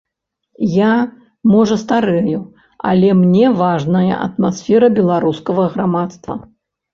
Я, можа, старэю, але мне важная атмасфера беларускага грамадства.